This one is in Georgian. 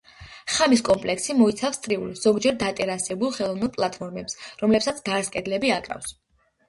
ხამის კომპლექსი მოიცავს წრიულ, ზოგჯერ დატერასებულ ხელოვნურ პლატფორმებს, რომლებსაც გარს კედლები აკრავს.